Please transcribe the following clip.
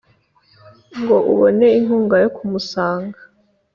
ngo ubone inkunga yo kumusanga